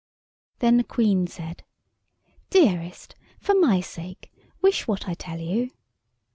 Then the Queen said: "Dearest, for my sake, wish what I tell you."